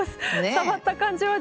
触った感じはですね